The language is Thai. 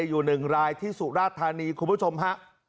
อยู่หนึ่งรายที่สุราธานีคุณผู้ชมฮะ